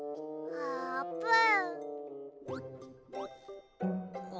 あーぷん！